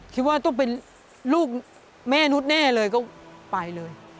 คิดว่าต้องเป็นลูกแม่นุษย์แน่เลยก็ไปเลย